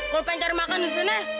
kalau pengen cari makan disini